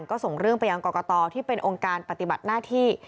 ก็ส่งเรื่องไปยังกรกตที่เป็นองค์การปฏิบัติหน้าที่